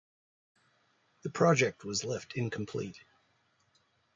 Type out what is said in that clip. The project was left incomplete.